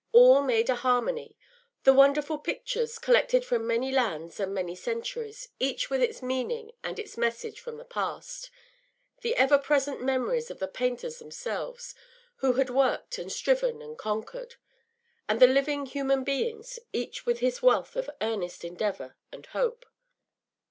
All made a harmony; the wonderful pictures, collected from many lands and many centuries, each with its meaning and its message from the past; the ever present memories of the painters themselves, who had worked and striven and conquered; and the living human beings, each with his wealth of earnest endeavour and hope.